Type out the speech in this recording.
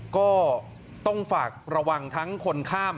ก็ต้องฝากระวังทั้งคนข้าม